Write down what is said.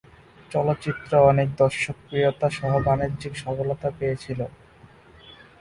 চলচ্চিত্রটি অনেক দর্শকপ্রিয়তা সহ বাণিজ্যিক সফলতা পেয়েছিল।